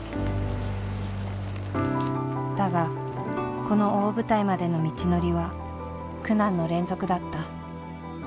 だがこの大舞台までの道のりは苦難の連続だった。